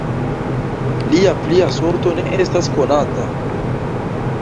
Lia plia sorto ne estas konata.